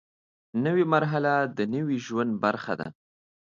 نوې مرحله د نوي ژوند برخه ده